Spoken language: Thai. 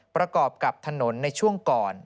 ประกอบกับถนนในช่วงก่อน